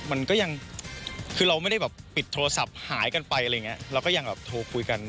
มันก็ยังคือเราไม่ได้แบบปิดโทรศัพท์หายกันไปอะไรอย่างเงี้ยเราก็ยังแบบโทรคุยกัน